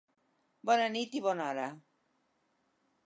Bona nit i bona hora!